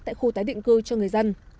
tại khu tái định cư cho người dân